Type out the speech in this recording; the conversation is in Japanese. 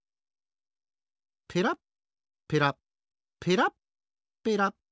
ペラッペラッペラッペラッ。